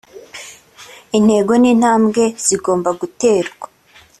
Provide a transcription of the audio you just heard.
intego n’intambwe zigomba guterwa